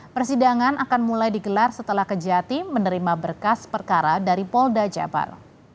persidangan akan mulai digelar setelah kejati menerima berkas perkara dari polda jabar